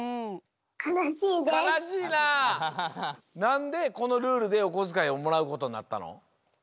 なんでこのルールでおこづかいをもらうことになったの？